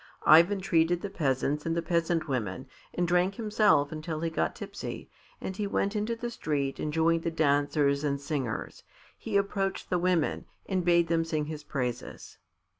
Ivan treated the peasants and the peasant women and drank himself until he got tipsy, and he went into the street and joined the dancers and singers. He approached the women, and bade them sing his praises.